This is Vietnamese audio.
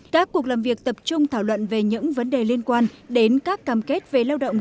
các cuộc làm việc tập trung thảo luận về những vấn đề liên quan đến các cam kết về lao động